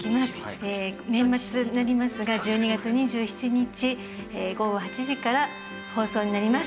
「年末になりますが１２月２７日午後８時から放送になります」